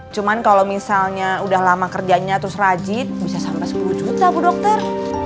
cuma kalau misalnya udah lama kerjanya terus rajit bisa sampai sepuluh juta bu dokter